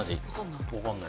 分かんない。